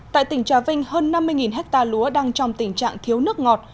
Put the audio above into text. tại tỉnh trà vinh hơn năm mươi hectare lúa đang trong tình trạng thiếu nước ngọt